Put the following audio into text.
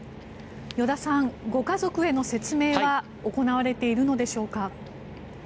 依田さんご家族への説明は行われているのでしょうか。